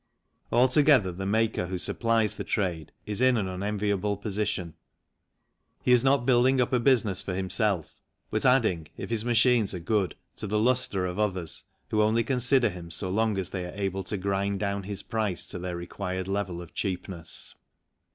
Altogether, the maker who supplies the trade is in an unenviable position he is not building up a business for himself, but adding, if his machines are good, to the lustre of others who only consider him so long as they are able to grind down his price to their required level of cheapness.